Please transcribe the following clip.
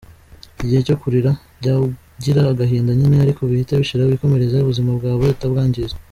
Igihe cyo kurira? Jya ugira agahinda nyine ariko bihite bishira wikomereze ubuzima bwawe utabwangiza.